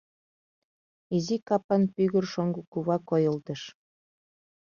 Изи капан пӱгыр шоҥго кува койылдыш.